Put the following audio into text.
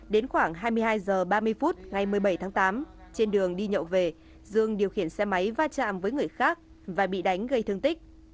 đến khoảng hai mươi hai h ba mươi phút ngày một mươi bảy tháng tám trên đường đi nhậu về dương điều khiển xe máy va chạm với người khác và bị đánh gây thương tích